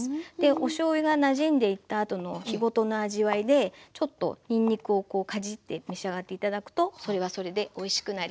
おしょうゆがなじんでいったあとの日ごとの味わいでちょっとにんにくをかじって召し上がって頂くとそれはそれでおいしくなります。